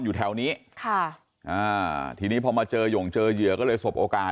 อยู่แถวนี้ค่ะอ่าทีนี้พอมาเจอหย่งเจอเหยื่อก็เลยสบโอกาส